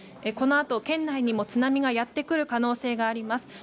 このあと、県内にも津波がやってくる可能性があります。